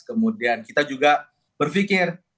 kemudian kita juga berpikir